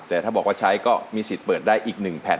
แต่ถ้าบอกว่าใช้ก็มีสิทธิ์เปิดได้อีก๑แผ่น